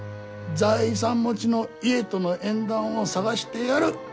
財産持ちの家との縁談を探してやる。